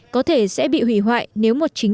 có thể sẽ bị hủy hoại nếu một chính